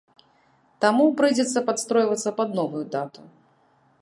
Таму прыйдзецца падстройвацца пад новую дату.